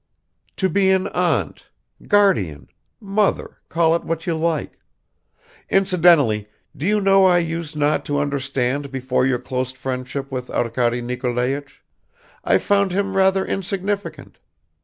"To be an aunt, guardian, mother call it what you like. Incidentally, do you know I used not to understand before your close friendship with Arkady Nikolaich; I found him rather insignificant.